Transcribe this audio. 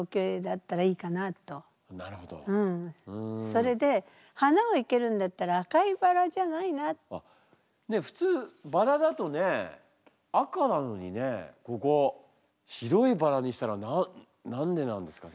それで花を生けるんだったら普通バラだとね赤なのにねここ白いバラにしたのは何でなんですか？